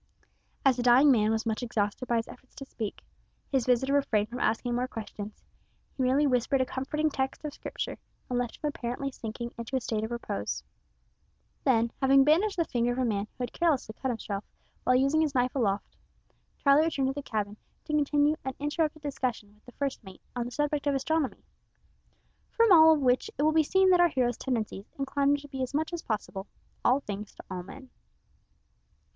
As the dying man was much exhausted by his efforts to speak, his visitor refrained from asking more questions. He merely whispered a comforting text of Scripture and left him apparently sinking into a state of repose. Then, having bandaged the finger of a man who had carelessly cut himself while using his knife aloft, Charlie returned to the cabin to continue an interrupted discussion with the first mate on the subject of astronomy. From all which it will be seen that our hero's tendencies inclined him to be as much as possible "all things to all men."